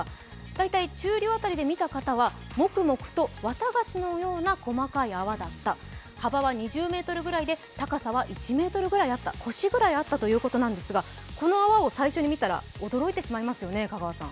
大体中流辺りで見た方はもくもくと綿菓子のような細かい泡だった、幅は２０ｍぐらいで高さは１ｍぐらいあったと腰ぐらいあったということなんですが、この泡を最初に見たら驚いてしまいますよね。